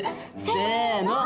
せの。